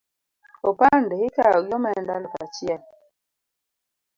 Opande ikawo gi omenda alufu achiel